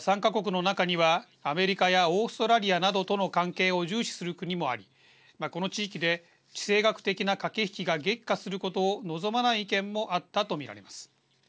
参加国の中にはアメリカやオーストラリアなどとの関係を重視する国もありこの地域で地政学的な駆け引きが激化することを望まない意見もあったとみられます。